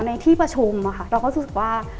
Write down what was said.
ในที่ประชุมเราก็รู้สึกว่า